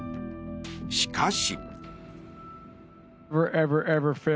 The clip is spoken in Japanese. しかし。